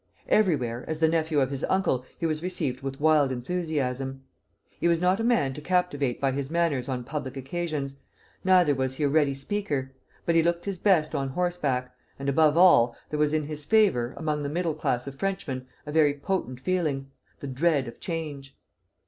Everywhere, as the nephew of his uncle, he was received with wild enthusiasm. He was not a man to captivate by his manners on public occasions, neither was he a ready speaker; but he looked his best on horseback, and above all, there was in his favor, among the middle class of Frenchmen, a very potent feeling, the dread of change.